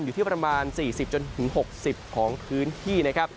อยู่ที่ประมาณ๔๐๖๐ของพื้นที่นะครับ